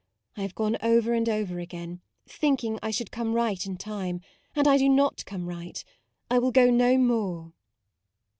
,1 have gone over and over again, thinking I should come right in time, and I do not come right: I will go no more."